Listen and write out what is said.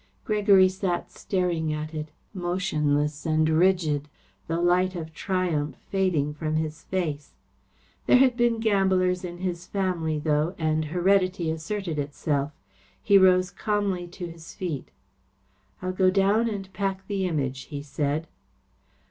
Gregory sat staring at it, motionless and rigid, the light of triumph fading from his face. There had been gamblers in his family, though, and heredity asserted itself. He rose calmly to his feet. "I'll go down and pack the Image," he said.